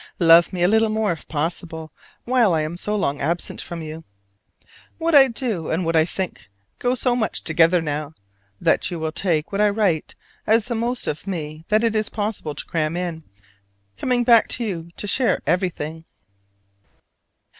Love me a little more if possible while I am so long absent from you! What I do and what I think go so much together now, that you will take what I write as the most of me that it is possible to cram in, coming back to you to share everything.